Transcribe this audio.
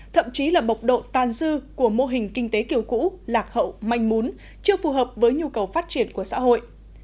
thậm chí là bộc độ tan dư của mô hình kinh tế kiểu cũ lạc hậu manh mún chưa phù hợp với nhu cầu phát triển của xã hội